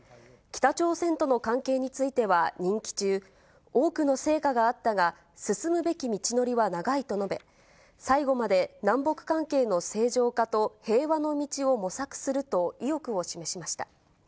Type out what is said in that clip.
北朝鮮との関係については任期中、多くの成果があったが、進むべき道のりは長いと述べ、最後まで南北関係の正常化と平和の道を模索すると意欲を示しました。